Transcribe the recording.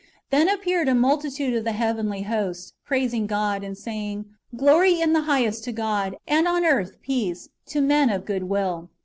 Then [appeared] a multitude of the heavenly host, praising God, and saying, Glor}^ in the highest to God, and on earth peace, to men of good will."